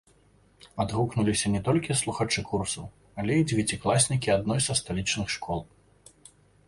Адгукнуліся не толькі слухачы курсаў, але і дзевяцікласнікі адной са сталічных школ.